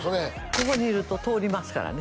ここにいると通りますからね